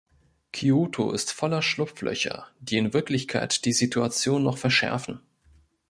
Kyoto ist voller Schlupflöcher, die in Wirklichkeit die Situation noch verschärfen.